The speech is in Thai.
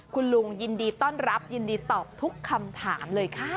คุณลุงยินดีต้อนรับยินดีตอบทุกคำถามเลยค่ะ